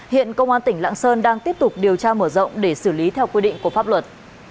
hiện công an tỉnh lạng sơn đang tiếp tục điều tra mở rộng để xử lý theo quy định của pháp luật